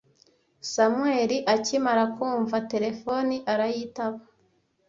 Samuel akimara kumva terefone, arayitaba.